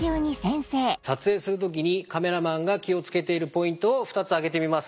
撮影する時にカメラマンが気を付けているポイントを２つ挙げてみます